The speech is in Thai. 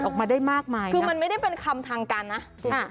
ออกมาได้มากมายคือมันไม่ได้เป็นคำทางการนะ